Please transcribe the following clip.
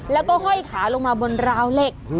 แล้วก็ห้อยขาลงมาบนราวเหล็ก